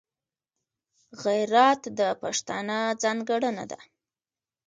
غیرت د پښتانه ځانګړنه ده